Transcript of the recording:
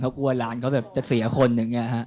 เขากลัวหลานเขาแบบจะเสียคนอย่างนี้ฮะ